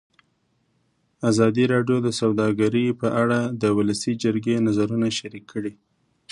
ازادي راډیو د سوداګري په اړه د ولسي جرګې نظرونه شریک کړي.